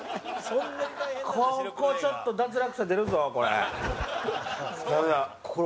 ここちょっと脱落者出るぞこれ。